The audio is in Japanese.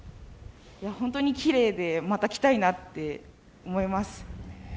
本当にきれいで、また来たいなと思います。